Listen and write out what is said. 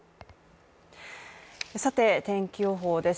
天気予報です。